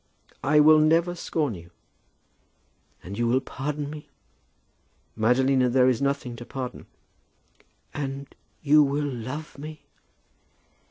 "I will never scorn you." "And you will pardon me?" "Madalina, there is nothing to pardon." "And you will love me?"